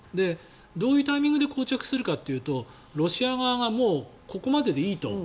どういうタイミングでこう着するかというとロシア側がここまででいいと。